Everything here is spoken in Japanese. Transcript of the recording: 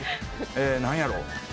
何やろう？